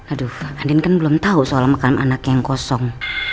aduh pak andin kan belum tahu soal makan anak yang kosong